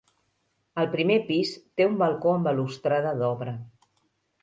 El primer pis té un balcó amb balustrada d'obra.